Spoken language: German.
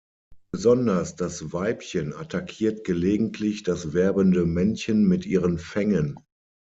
Besonders das Weibchen attackiert gelegentlich das werbende Männchen mit ihren Fängen.